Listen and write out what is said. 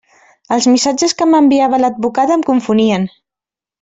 Els missatges que m'enviava l'advocat em confonien.